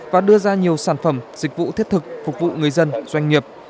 và đưa ra nhiều sản phẩm dịch vụ thiết thực phục vụ người dân doanh nghiệp